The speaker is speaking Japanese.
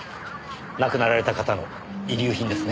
亡くなられた方の遺留品ですね？